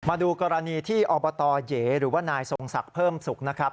มาดูกรณีที่อบตเหยหรือว่านายทรงศักดิ์เพิ่มสุขนะครับ